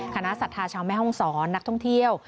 ศรัทธาชาวแม่ห้องศรนักท่องเที่ยว